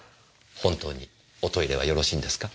本当におトイレはよろしいんですか？